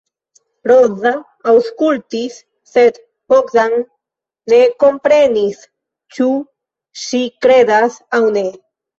Roza aŭskultis, sed Bogdan ne komprenis ĉu ŝi kredas aŭ ne.